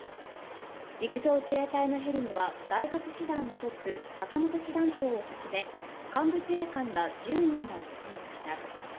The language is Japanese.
陸上自衛隊のヘリには第８師団のトップ、坂本師団長をはじめ、幹部自衛官ら１０人が乗っていました。